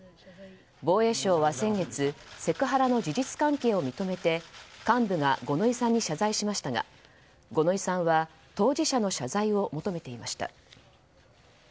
防衛省は先月セクハラの事実関係を認めて幹部が五ノ井さんに謝罪しましたが五ノ井さんは当事者の謝罪を求めていました。